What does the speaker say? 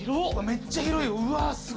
めっちゃ広いよ！